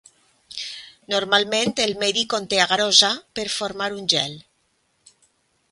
Normalment el medi conté agarosa per formar un gel.